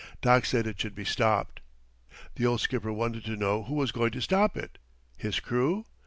Doc said it should be stopped. The old skipper wanted to know who was going to stop it. His crew?